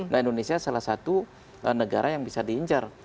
nah indonesia salah satu negara yang bisa diincar